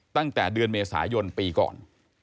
ตั้งแต่เดือนเมษายนปีก่อน